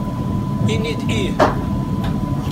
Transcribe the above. Ini-d ih!